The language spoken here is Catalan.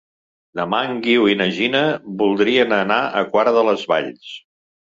Demà en Guiu i na Gina voldrien anar a Quart de les Valls.